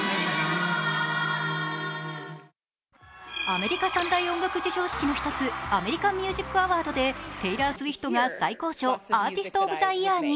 アメリカ３大音楽授賞式の一つアメリカン・ミュージック・アワードでテイラー・スウィフトが最高賞アーティスト・オブ・ザ・イヤーに。